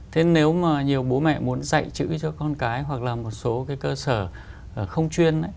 thế nếu mà nhiều bố mẹ muốn dạy chữ cho con cái hoặc là một số cái cơ sở không chuyên ấy